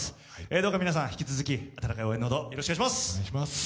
どうか皆さん、引き続き温かい応援のほどお願いします。